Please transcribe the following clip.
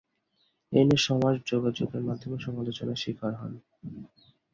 এ নিয়ে সামাজিক যোগাযোগ মাধ্যমে সমালোচনার শিকার হন।